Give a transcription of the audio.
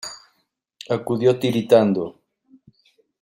acudió tiritando: